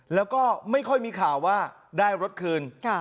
แล้วก็ไม่ค่อยมีข่าวว่าได้รถคืน